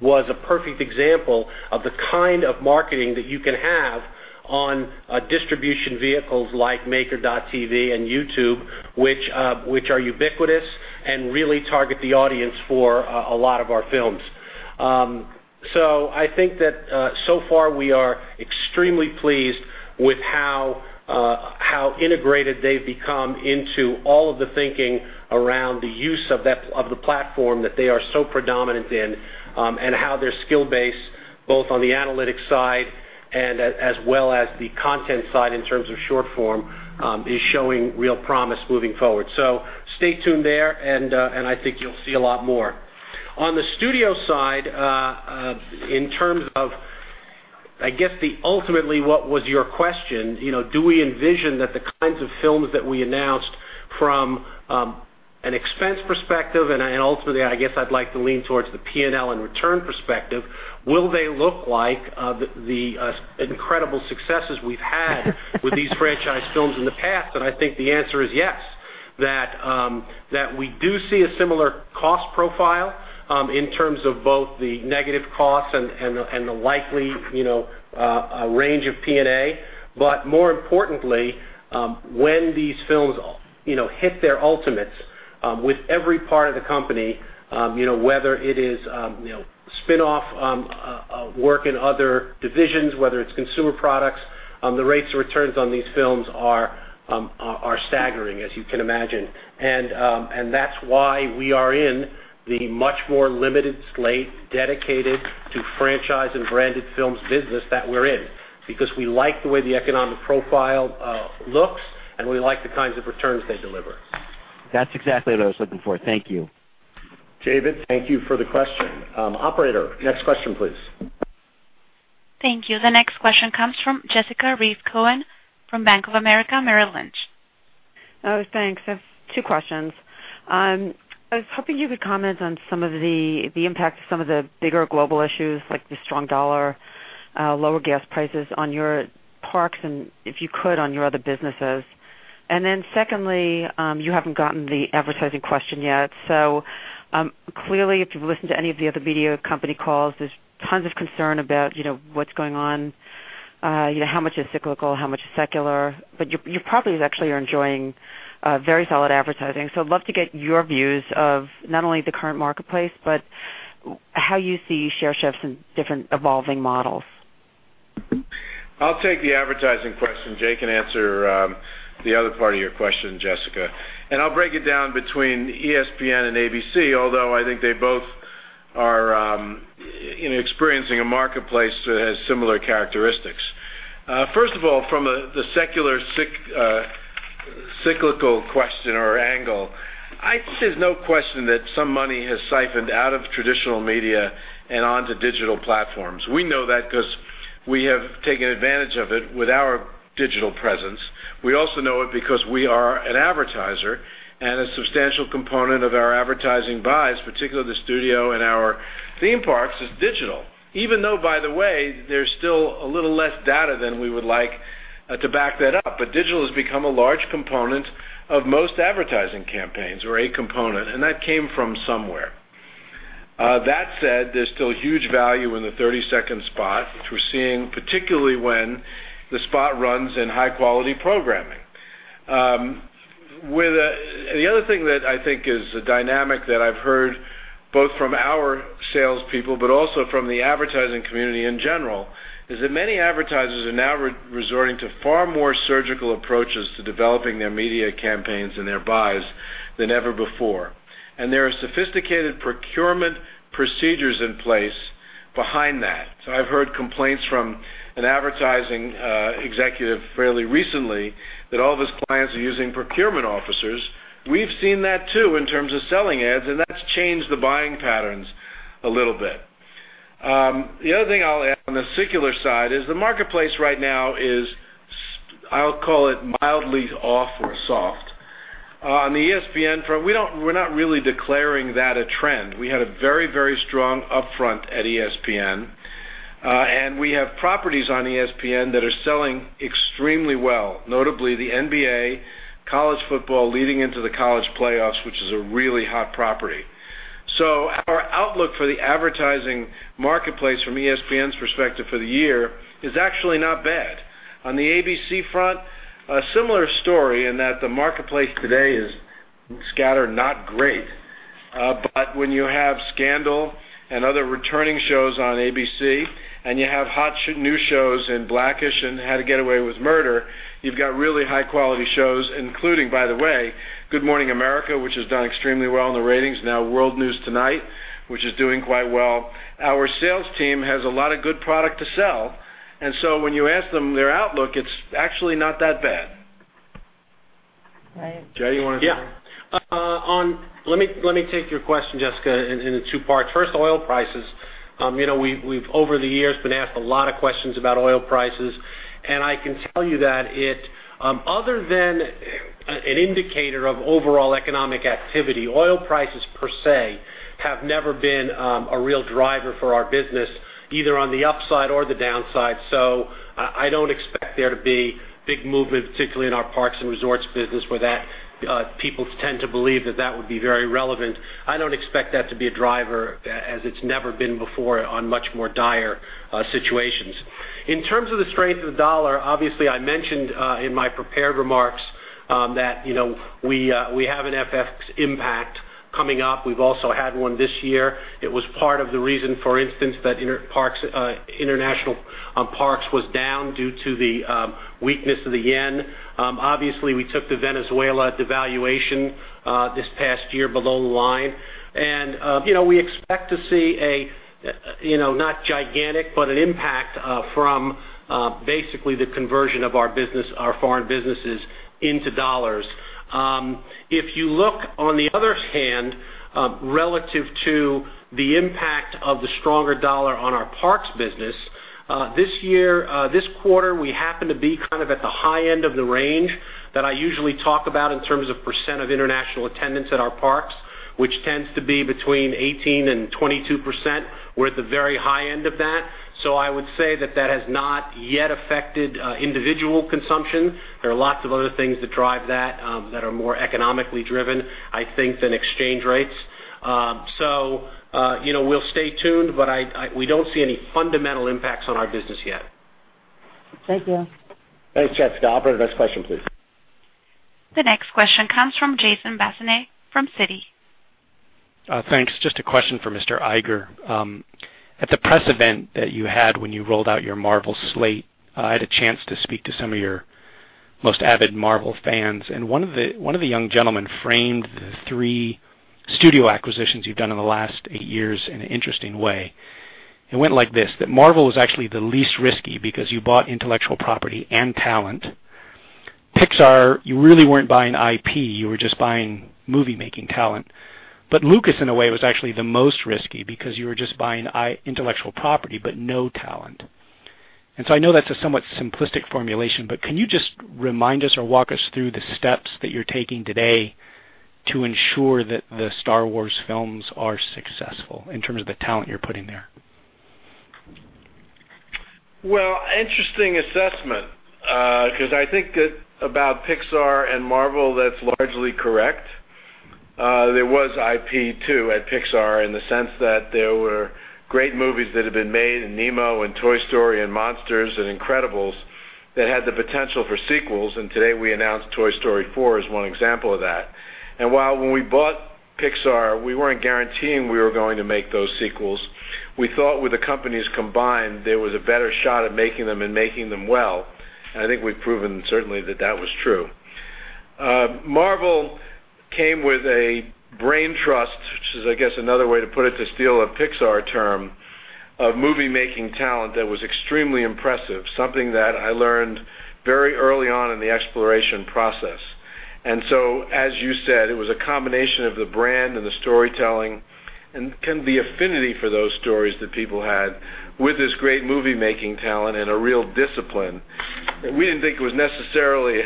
was a perfect example of the kind of marketing that you can have on distribution vehicles like maker.tv and YouTube, which are ubiquitous and really target the audience for a lot of our films. I think that so far we are extremely pleased with how integrated they've become into all of the thinking around the use of the platform that they are so predominant in, and how their skill base, both on the analytics side as well as the content side in terms of short form, is showing real promise moving forward. Stay tuned there, and I think you'll see a lot more. On the studio side, in terms of, I guess, ultimately what was your question, do we envision that the kinds of films that we announced from an expense perspective and ultimately, I guess I'd like to lean towards the P&L and return perspective, will they look like the incredible successes we've had with these franchise films in the past? I think the answer is yes, that we do see a similar cost profile in terms of both the negative costs and the likely range of P&A. More importantly, when these films hit their ultimates with every part of the company, whether it is spin-off work in other divisions, whether it's consumer products, the rates of returns on these films are staggering, as you can imagine. That's why we are in the much more limited slate dedicated to franchise and branded films business that we're in. Because we like the way the economic profile looks, and we like the kinds of returns they deliver. That's exactly what I was looking for. Thank you. David, thank you for the question. Operator, next question, please. Thank you. The next question comes from Jessica Reif Cohen from Bank of America Merrill Lynch. Thanks. I have two questions. I was hoping you could comment on some of the impact of some of the bigger global issues like the strong dollar, lower gas prices on your parks, and if you could, on your other businesses. Secondly, you haven't gotten the advertising question yet. Clearly, if you've listened to any of the other media company calls, there's tons of concern about what's going on, how much is cyclical, how much is secular. You probably actually are enjoying very solid advertising. I'd love to get your views of not only the current marketplace, but how you see share shifts in different evolving models. I'll take the advertising question. Jay can answer the other part of your question, Jessica. I'll break it down between ESPN and ABC, although I think they both are experiencing a marketplace that has similar characteristics. First of all, from the secular cyclical question or angle, I think there's no question that some money has siphoned out of traditional media and onto digital platforms. We know that because we have taken advantage of it with our digital presence. We also know it because we are an advertiser and a substantial component of our advertising buys, particularly the studio and our theme parks, is digital. Even though, by the way, there's still a little less data than we would like to back that up. Digital has become a large component of most advertising campaigns or a component, and that came from somewhere. That said, there's still huge value in the 30-second spot, which we're seeing particularly when the spot runs in high-quality programming. The other thing that I think is a dynamic that I've heard both from our salespeople but also from the advertising community in general, is that many advertisers are now resorting to far more surgical approaches to developing their media campaigns and their buys than ever before. There are sophisticated procurement procedures in place behind that. I've heard complaints from an advertising executive fairly recently that all of his clients are using procurement officers. We've seen that too in terms of selling ads, and that's changed the buying patterns a little bit. The other thing I'll add on the secular side is the marketplace right now is, I'll call it mildly off or soft. On the ESPN front, we're not really declaring that a trend. We had a very strong upfront at ESPN. We have properties on ESPN that are selling extremely well, notably the NBA, college football leading into the college playoffs, which is a really hot property. Our outlook for the advertising marketplace from ESPN's perspective for the year is actually not bad. On the ABC front, a similar story in that the marketplace today is scattered, not great. When you have "Scandal" and other returning shows on ABC, and you have hot new shows in "black-ish" and "How to Get Away with Murder," you've got really high-quality shows, including, by the way, "Good Morning America," which has done extremely well in the ratings, now "World News Tonight," which is doing quite well. Our sales team has a lot of good product to sell. When you ask them their outlook, it's actually not that bad. Right. Jay, you want to- Yeah. Let me take your question, Jessica, in two parts. First, oil prices. We've over the years been asked a lot of questions about oil prices, and I can tell you that other than an indicator of overall economic activity, oil prices per se have never been a real driver for our business, either on the upside or the downside. I don't expect there to be big movement, particularly in our parks and resorts business where people tend to believe that that would be very relevant. I don't expect that to be a driver as it's never been before on much more dire situations. In terms of the strength of the dollar, obviously, I mentioned in my prepared remarks that we have an FX impact coming up. We've also had one this year. It was part of the reason, for instance, that international parks was down due to the weakness of the yen. Obviously, we took the Venezuela devaluation this past year below the line. We expect to see a not gigantic, but an impact from basically the conversion of our foreign businesses into dollars. If you look on the other hand, relative to the impact of the stronger dollar on our parks business, this quarter we happen to be at the high end of the range that I usually talk about in terms of % of international attendance at our parks, which tends to be between 18% and 22%. We're at the very high end of that. I would say that that has not yet affected individual consumption. There are lots of other things that drive that are more economically driven, I think, than exchange rates. We'll stay tuned, but we don't see any fundamental impacts on our business yet. Thank you. Thanks, Jessica. Operator, next question, please. The next question comes from Jason Bazinet from Citi. Thanks. Just a question for Mr. Iger. At the press event that you had when you rolled out your Marvel slate, I had a chance to speak to some of your most avid Marvel fans, and one of the young gentlemen framed the three studio acquisitions you've done in the last eight years in an interesting way. It went like this, that Marvel is actually the least risky because you bought intellectual property and talent. Pixar, you really weren't buying IP, you were just buying movie-making talent. Lucas, in a way, was actually the most risky because you were just buying intellectual property, but no talent. I know that's a somewhat simplistic formulation, but can you just remind us or walk us through the steps that you're taking today to ensure that the Star Wars films are successful in terms of the talent you're putting there? Well, interesting assessment because I think about Pixar and Marvel, that's largely correct. There was IP too at Pixar in the sense that there were great movies that had been made in Nemo and Toy Story and Monsters and Incredibles that had the potential for sequels, and today we announced Toy Story 4 as one example of that. While when we bought Pixar, we weren't guaranteeing we were going to make those sequels, we thought with the companies combined, there was a better shot at making them and making them well. I think we've proven certainly that that was true. Marvel came with a brain trust, which is, I guess, another way to put it, to steal a Pixar term, of movie-making talent that was extremely impressive, something that I learned very early on in the exploration process. As you said, it was a combination of the brand and the storytelling, and the affinity for those stories that people had with this great movie-making talent and a real discipline. We didn't think it was necessarily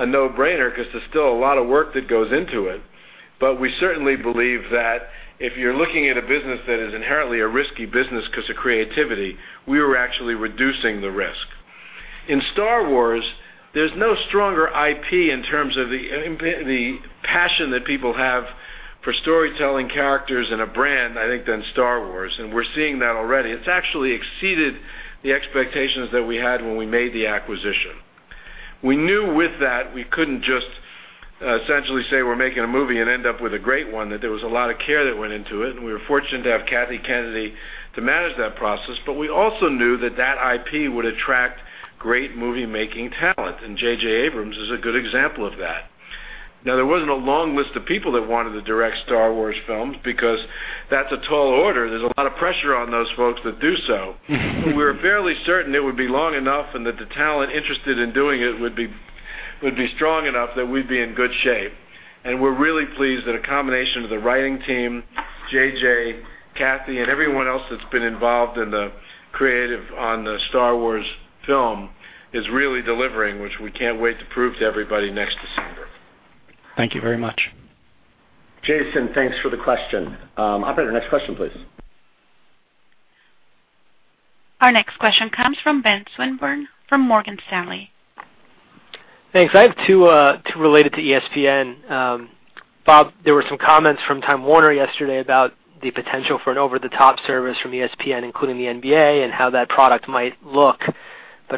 a no-brainer because there's still a lot of work that goes into it. We certainly believe that if you're looking at a business that is inherently a risky business because of creativity, we were actually reducing the risk. In Star Wars, there's no stronger IP in terms of the passion that people have for storytelling characters and a brand, I think, than Star Wars, and we're seeing that already. It's actually exceeded the expectations that we had when we made the acquisition. We knew with that, we couldn't just essentially say we're making a movie and end up with a great one, that there was a lot of care that went into it, and we were fortunate to have Kathy Kennedy to manage that process. We also knew that that IP would attract great movie-making talent, and J.J. Abrams is a good example of that. There wasn't a long list of people that wanted to direct Star Wars films because that's a tall order. There's a lot of pressure on those folks that do so. We were fairly certain it would be long enough and that the talent interested in doing it would be strong enough that we'd be in good shape. We're really pleased that a combination of the writing team, J.J., Kathy, and everyone else that's been involved in the creative on the Star Wars film is really delivering, which we can't wait to prove to everybody next December. Thank you very much. Jason, thanks for the question. Operator, next question, please. Our next question comes from Ben Swinburne from Morgan Stanley. Thanks. I have two related to ESPN. Bob, there were some comments from Time Warner yesterday about the potential for an over-the-top service from ESPN, including the NBA, and how that product might look.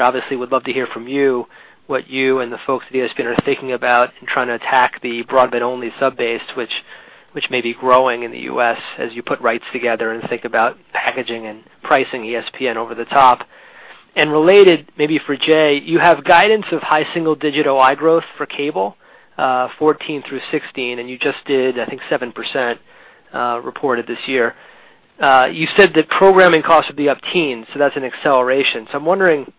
Obviously, would love to hear from you what you and the folks at ESPN are thinking about in trying to attack the broadband-only sub-base, which may be growing in the U.S. as you put rights together and think about packaging and pricing ESPN over the top. Related maybe for Jay, you have guidance of high single-digit OI growth for cable, 2014 through 2016, and you just did, I think, 7% reported this year. You said that programming costs would be up teens, that's an acceleration. I'm wondering,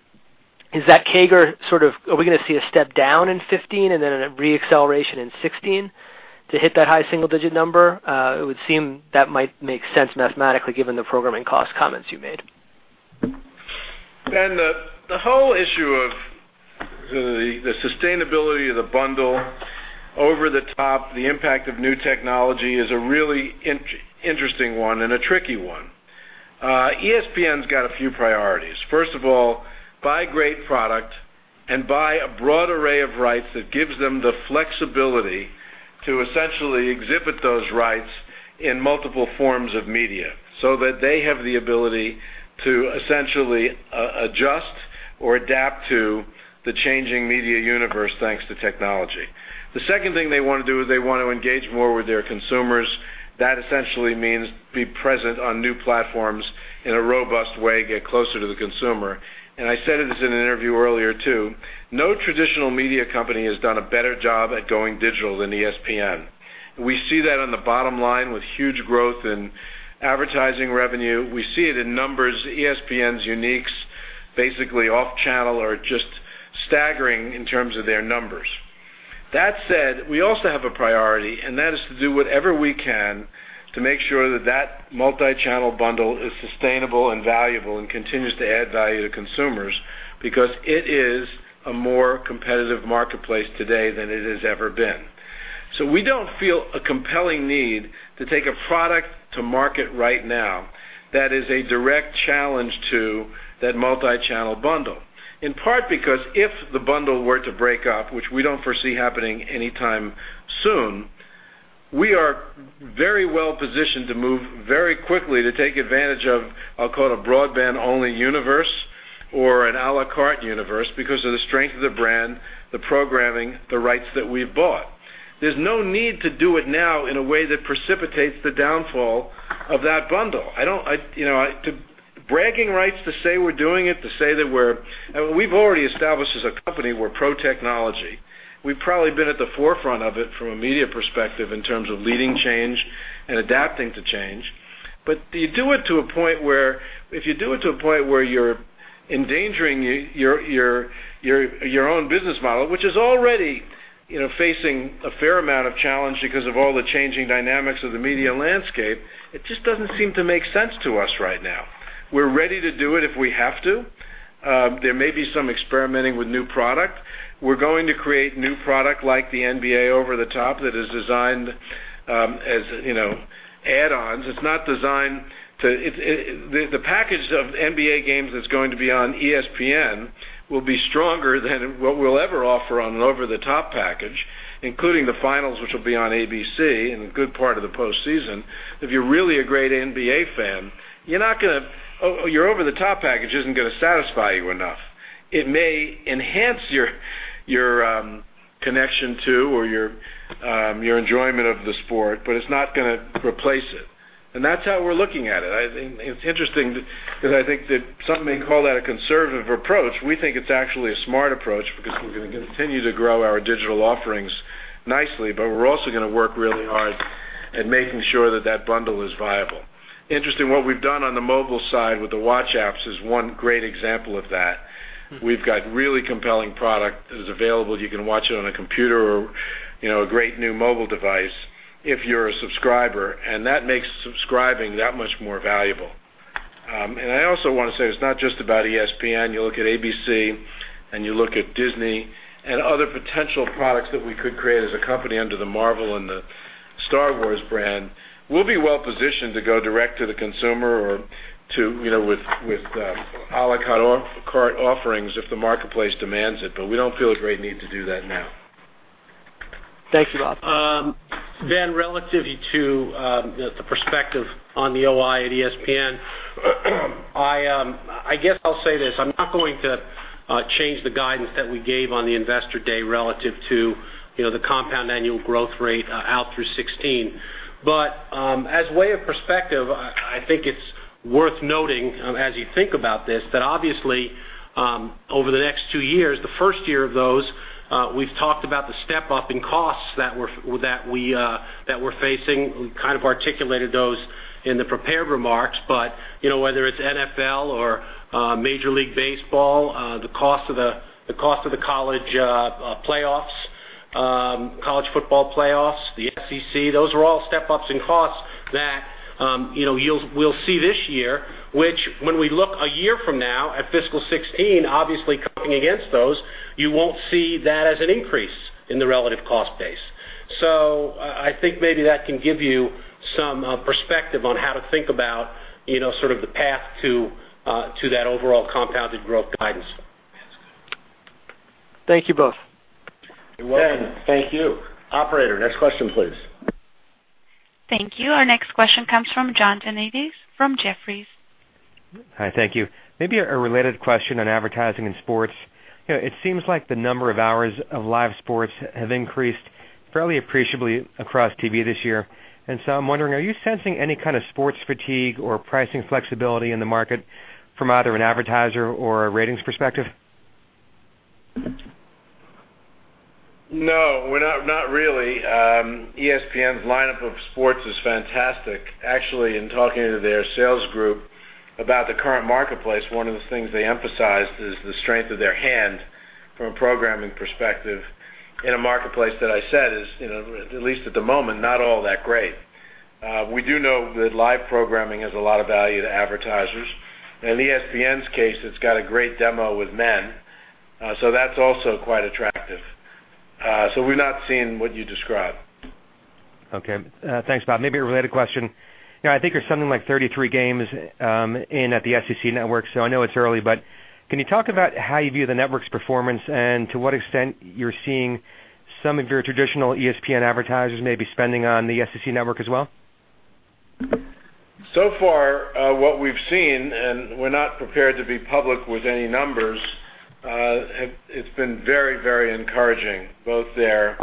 are we going to see a step down in 2015 and then a re-acceleration in 2016 to hit that high single-digit number? It would seem that might make sense mathematically given the programming cost comments you made. Ben, the whole issue of the sustainability of the bundle, over the top, the impact of new technology is a really interesting one and a tricky one. ESPN's got a few priorities. First of all, buy great product and buy a broad array of rights that gives them the flexibility to essentially exhibit those rights in multiple forms of media that they have the ability to essentially adjust or adapt to the changing media universe, thanks to technology. The second thing they want to do is they want to engage more with their consumers. That essentially means be present on new platforms in a robust way, get closer to the consumer. I said it as in an interview earlier, too. No traditional media company has done a better job at going digital than ESPN. We see that on the bottom line with huge growth in advertising revenue. We see it in numbers. ESPN's uniques, basically off-channel, are just staggering in terms of their numbers. That said, we also have a priority, and that is to do whatever we can to make sure that that multi-channel bundle is sustainable and valuable and continues to add value to consumers because it is a more competitive marketplace today than it has ever been. We don't feel a compelling need to take a product to market right now that is a direct challenge to that multi-channel bundle. In part because if the bundle were to break up, which we don't foresee happening anytime soon, we are very well positioned to move very quickly to take advantage of, I'll call it a broadband-only universe or an à la carte universe because of the strength of the brand, the programming, the rights that we've bought. There's no need to do it now in a way that precipitates the downfall of that bundle. Bragging rights to say we're doing it. We've already established as a company we're pro-technology. We've probably been at the forefront of it from a media perspective in terms of leading change and adapting to change. If you do it to a point where you're endangering your own business model, which is already facing a fair amount of challenge because of all the changing dynamics of the media landscape, it just doesn't seem to make sense to us right now. We're ready to do it if we have to. There may be some experimenting with new product. We're going to create new product like the NBA over the top that is designed as add-ons. The package of NBA games that's going to be on ESPN will be stronger than what we'll ever offer on an over-the-top package, including the finals, which will be on ABC and a good part of the post-season. If you're really a great NBA fan, your over-the-top package isn't going to satisfy you enough. It may enhance your connection to or your enjoyment of the sport, but it's not going to replace it. That's how we're looking at it. It's interesting because I think that some may call that a conservative approach. We think it's actually a smart approach because we're going to continue to grow our digital offerings nicely, but we're also going to work really hard at making sure that that bundle is viable. Interesting, what we've done on the mobile side with the watch apps is one great example of that. We've got really compelling product that is available. You can watch it on a computer or a great new mobile device if you're a subscriber, and that makes subscribing that much more valuable. I also want to say it's not just about ESPN. You look at ABC, and you look at Disney and other potential products that we could create as a company under the Marvel and the Star Wars brand. We'll be well positioned to go direct to the consumer or with à la carte offerings if the marketplace demands it, but we don't feel a great need to do that now. Thank you, Bob. Relative to the perspective on the OI at ESPN, I guess I'll say this. I'm not going to change the guidance that we gave on the investor day relative to the compound annual growth rate out through 2016. As way of perspective, I think it's worth noting as you think about this, that obviously, over the next two years, the first year of those, we've talked about the step-up in costs that we're facing. We kind of articulated those in the prepared remarks, but whether it's NFL or Major League Baseball, the cost of the college football playoffs, the SEC, those are all step-ups in costs that we'll see this year, which when we look a year from now at fiscal 2016, obviously coming against those, you won't see that as an increase in the relative cost base. I think maybe that can give you some perspective on how to think about sort of the path to that overall compounded growth guidance. Thank you both. You're welcome. Thank you. Operator, next question, please. Thank you. Our next question comes from John Janedis from Jefferies. Hi, thank you. Maybe a related question on advertising in sports. It seems like the number of hours of live sports have increased fairly appreciably across TV this year. I'm wondering, are you sensing any kind of sports fatigue or pricing flexibility in the market from either an advertiser or a ratings perspective? No, not really. ESPN's lineup of sports is fantastic. Actually, in talking to their sales group about the current marketplace, one of the things they emphasized is the strength of their hand from a programming perspective in a marketplace that I said is, at least at the moment, not all that great. We do know that live programming has a lot of value to advertisers. In ESPN's case, it's got a great demo with men. That's also quite attractive. We're not seeing what you described. Okay. Thanks, Bob. Maybe a related question. I think there's something like 33 games in at the SEC Network. I know it's early, but can you talk about how you view the network's performance and to what extent you're seeing some of your traditional ESPN advertisers maybe spending on the SEC Network as well? So far, what we've seen, and we're not prepared to be public with any numbers, it's been very encouraging, both their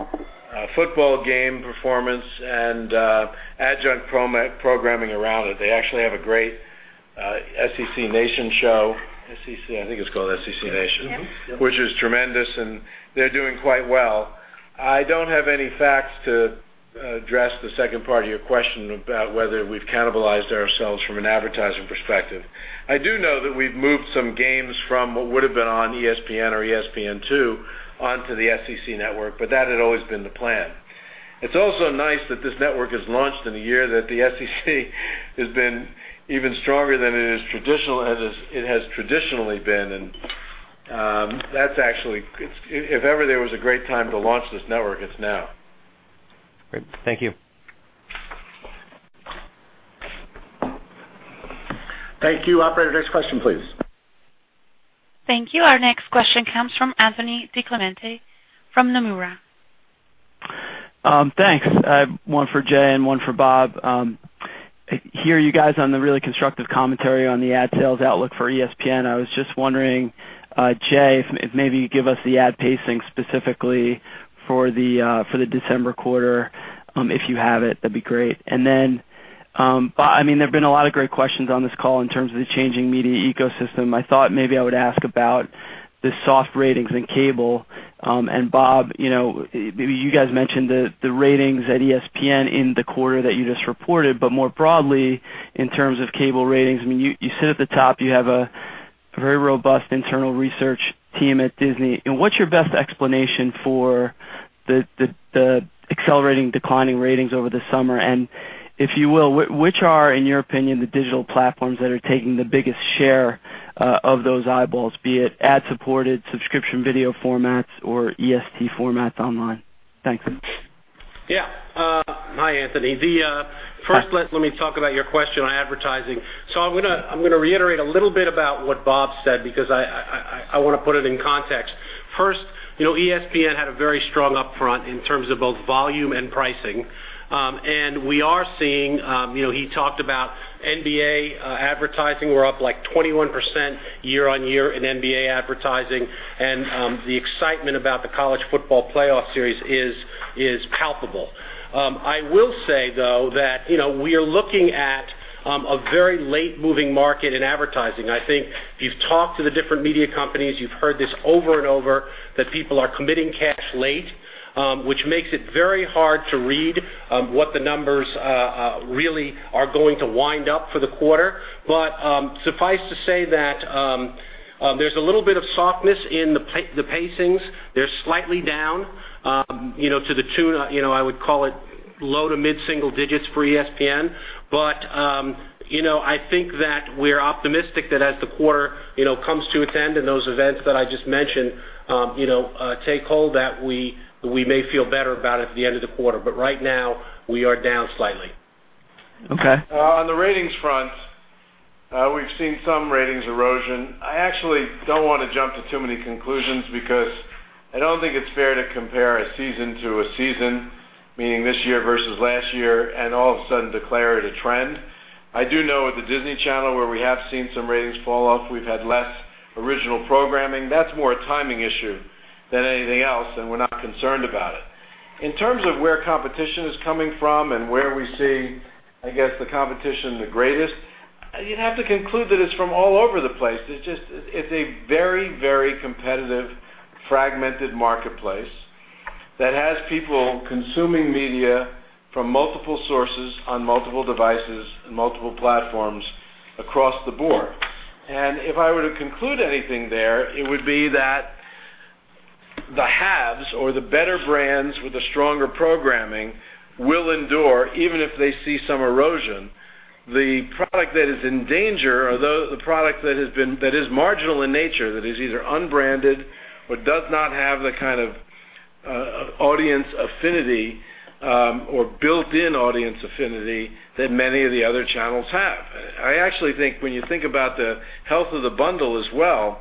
football game performance and adjunct programming around it. They actually have a great SEC Nation show. SEC, I think it's called SEC Nation. Yeah. Which is tremendous. They're doing quite well. I don't have any facts to address the second part of your question about whether we've cannibalized ourselves from an advertising perspective. I do know that we've moved some games from what would've been on ESPN or ESPN2 onto the SEC Network. That had always been the plan. It's also nice that this network has launched in a year that the SEC has been even stronger than it has traditionally been. If ever there was a great time to launch this network, it's now. Great. Thank you. Thank you. Operator, next question, please. Thank you. Our next question comes from Anthony DiClemente from Nomura. Thanks. One for Jay and one for Bob. Hear you guys on the really constructive commentary on the ad sales outlook for ESPN. I was just wondering, Jay, if maybe you give us the ad pacing specifically for the December quarter. If you have it, that'd be great. Then, Bob, there've been a lot of great questions on this call in terms of the changing media ecosystem. I thought maybe I would ask about the soft ratings in cable. Bob, you guys mentioned the ratings at ESPN in the quarter that you just reported, but more broadly, in terms of cable ratings, you sit at the top, you have a very robust internal research team at Disney. What's your best explanation for the accelerating declining ratings over the summer? If you will, which are, in your opinion, the digital platforms that are taking the biggest share of those eyeballs, be it ad-supported subscription video formats, or EST formats online? Thanks. Yeah. Hi, Anthony. First, let me talk about your question on advertising. I'm going to reiterate a little bit about what Bob said because I want to put it in context. First, ESPN had a very strong upfront in terms of both volume and pricing. We are seeing, he talked about NBA advertising, we're up like 21% year-on-year in NBA advertising, and the excitement about the college football playoff series is palpable. I will say though that we are looking at a very late-moving market in advertising. I think if you've talked to the different media companies, you've heard this over and over, that people are committing cash late, which makes it very hard to read what the numbers really are going to wind up for the quarter. Suffice to say that there's a little bit of softness in the pacings. They're slightly down, to the tune of, I would call it low to mid-single digits for ESPN. I think that we're optimistic that as the quarter comes to its end and those events that I just mentioned take hold, that we may feel better about it at the end of the quarter. Right now, we are down slightly. Okay. On the ratings front, we've seen some ratings erosion. I actually don't want to jump to too many conclusions because I don't think it's fair to compare a season to a season, meaning this year versus last year, and all of a sudden declare it a trend. I do know at the Disney Channel, where we have seen some ratings fall off, we've had less original programming. That's more a timing issue than anything else, and we're not concerned about it. In terms of where competition is coming from and where we see, I guess, the competition the greatest, you'd have to conclude that it's from all over the place. It's a very competitive, fragmented marketplace that has people consuming media from multiple sources on multiple devices and multiple platforms across the board. If I were to conclude anything there, it would be that the haves or the better brands with the stronger programming will endure even if they see some erosion. The product that is in danger or the product that is marginal in nature, that is either unbranded or does not have the kind of audience affinity or built-in audience affinity that many of the other channels have. I actually think when you think about the health of the bundle as well,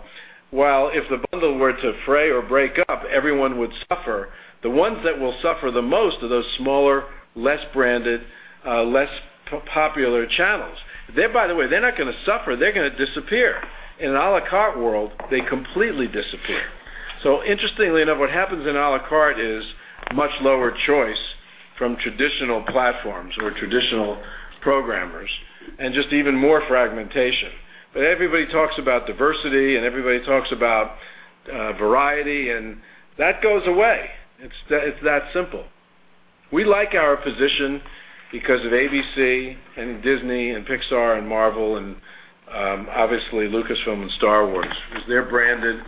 while if the bundle were to fray or break up, everyone would suffer. The ones that will suffer the most are those smaller, less branded, less popular channels. By the way, they're not going to suffer. They're going to disappear. In an à la carte world, they completely disappear. Interestingly enough, what happens in à la carte is much lower choice from traditional platforms or traditional programmers, and just even more fragmentation. Everybody talks about diversity, and everybody talks about variety and that goes away. It's that simple. We like our position because of ABC and Disney and Pixar and Marvel and obviously Lucasfilm and Star Wars, because they're branded.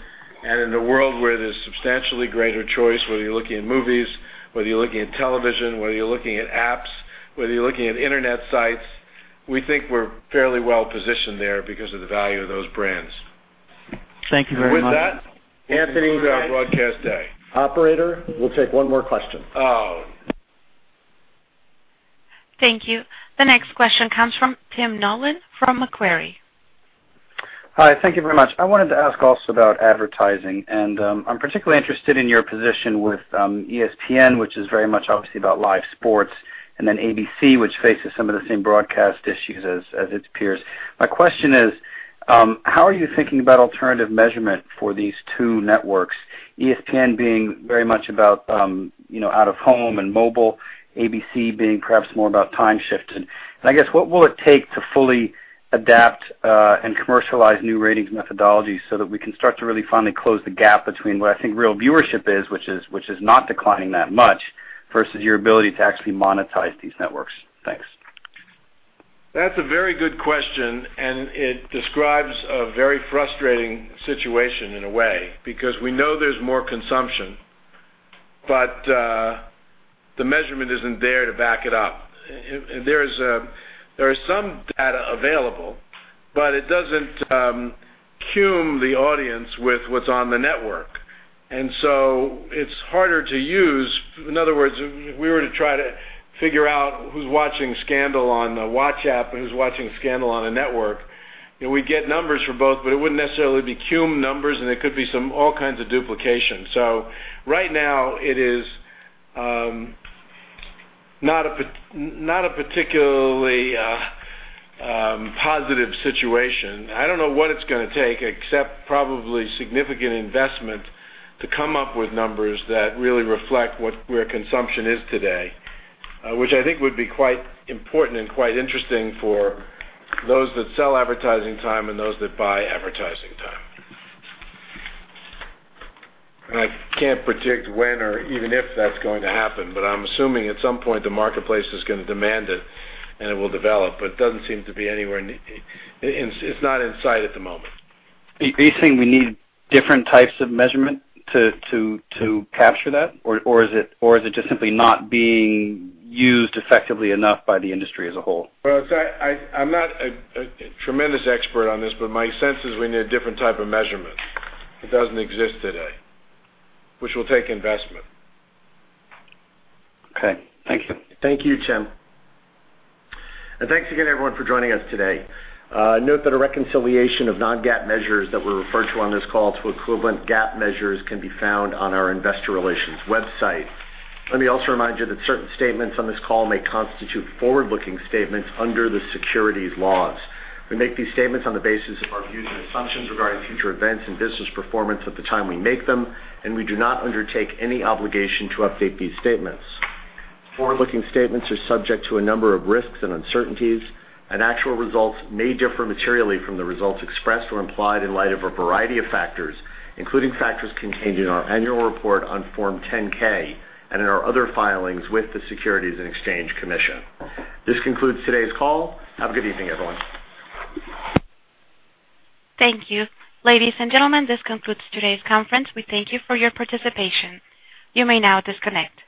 In a world where there's substantially greater choice, whether you're looking at movies, whether you're looking at television, whether you're looking at apps, whether you're looking at internet sites, we think we're fairly well-positioned there because of the value of those brands. Thank you very much. With that, we conclude our broadcast day. Operator, we'll take one more question. Oh. Thank you. The next question comes from Tim Nollen from Macquarie. Hi. Thank you very much. I wanted to ask also about advertising. I'm particularly interested in your position with ESPN, which is very much obviously about live sports, and then ABC, which faces some of the same broadcast issues as its peers. My question is, how are you thinking about alternative measurement for these two networks, ESPN being very much about out of home and mobile, ABC being perhaps more about time shifting? I guess what will it take to fully adapt and commercialize new ratings methodologies so that we can start to really finally close the gap between what I think real viewership is, which is not declining that much, versus your ability to actually monetize these networks? Thanks. That's a very good question, and it describes a very frustrating situation in a way, because we know there's more consumption, but the measurement isn't there to back it up. There is some data available, but it doesn't cume the audience with what's on the network. It's harder to use. In other words, if we were to try to figure out who's watching "Scandal" on the Watch app and who's watching "Scandal" on the network, we'd get numbers for both, but it wouldn't necessarily be cume numbers, and there could be all kinds of duplication. Right now, it is not a particularly positive situation. I don't know what it's going to take except probably significant investment to come up with numbers that really reflect where consumption is today, which I think would be quite important and quite interesting for those that sell advertising time and those that buy advertising time. I can't predict when or even if that's going to happen, but I'm assuming at some point the marketplace is going to demand it and it will develop, but it doesn't seem to be in sight at the moment. Are you saying we need different types of measurement to capture that? Is it just simply not being used effectively enough by the industry as a whole? Well, I'm not a tremendous expert on this, but my sense is we need a different type of measurement that doesn't exist today, which will take investment. Okay. Thank you. Thank you, Tim. Thanks again, everyone, for joining us today. Note that a reconciliation of non-GAAP measures that were referred to on this call to equivalent GAAP measures can be found on our investor relations website. Let me also remind you that certain statements on this call may constitute forward-looking statements under the securities laws. We make these statements on the basis of our views and assumptions regarding future events and business performance at the time we make them, and we do not undertake any obligation to update these statements. Forward-looking statements are subject to a number of risks and uncertainties, and actual results may differ materially from the results expressed or implied in light of a variety of factors, including factors contained in our annual report on Form 10-K and in our other filings with the Securities and Exchange Commission. This concludes today's call. Have a good evening, everyone. Thank you. Ladies and gentlemen, this concludes today's conference. We thank you for your participation. You may now disconnect.